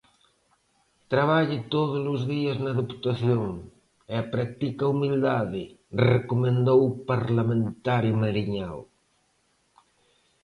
"Traballe todos os días na Deputación" e "practique a humildade", recomendou o parlamentario mariñao.